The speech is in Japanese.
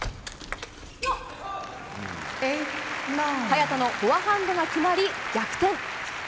早田のフォアハンドが決まり、逆転。